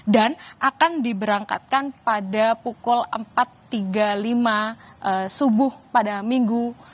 dan akan diberangkatkan pada pukul empat tiga puluh lima subuh pada minggu